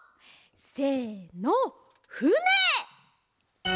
せのふね！